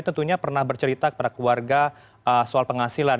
tentunya pernah bercerita kepada keluarga soal penghasilan